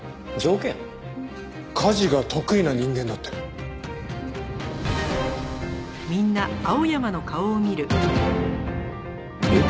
家事が得意な人間だって。えっ？